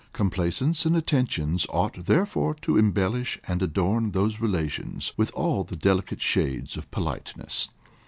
Complaisance and attentions ought therefore to embellish and adorn these relations with all the delicate shades of politeness.